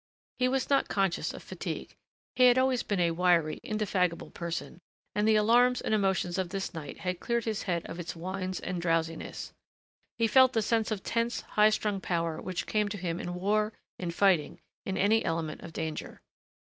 He was not conscious of fatigue. He had always been a wiry, indefatigable person, and the alarms and emotions of this night had cleared his head of its wines and drowsiness. He felt the sense of tense, highstrung power which came to him in war, in fighting, in any element of danger.